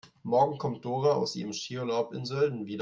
Morgen kommt Dora aus ihrem Skiurlaub in Sölden wieder.